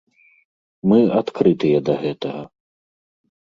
Мы адкрытыя да гэтага.